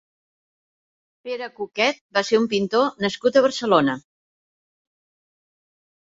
Pere Cuquet va ser un pintor nascut a Barcelona.